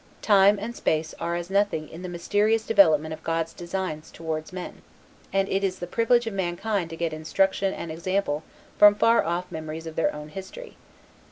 Time and space are as nothing in the mysterious development of God's designs towards men, and it is the privilege of mankind to get instruction and example from far off memories of their own history.